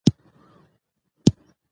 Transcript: د نغدو پيسو د لیږد خطر په دې سیستم کې نشته.